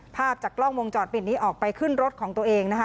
ภาพจากกล้องวงจรปิดนี้ออกไปขึ้นรถของตัวเองนะคะ